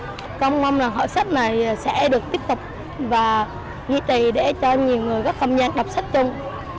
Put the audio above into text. con mong là hội sách này sẽ được tiếp tục và nhiệt tình để cho nhiều người các phòng nhà đọc sách chung